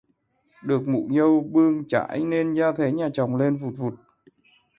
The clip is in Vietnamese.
Được mụ dâu bương chải nên gia thế nhà chồng lên vụt vụt